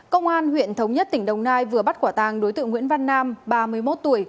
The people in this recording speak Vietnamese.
công an huyện thống nhất tỉnh đồng nai vừa bắt quả tàng đối tượng nguyễn văn nam ba mươi một tuổi